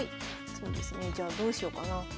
そうですねじゃあどうしようかな。